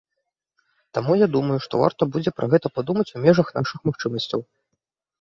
Таму я думаю, што варта будзе пра гэта падумаць у межах нашых магчымасцяў.